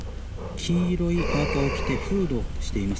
黄色いパーカを着てフードをしています。